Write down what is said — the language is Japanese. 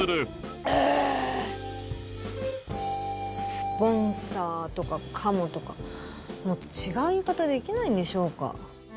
「スポンサー」とか「カモ」とかもっと違う言い方できないんでしょうか。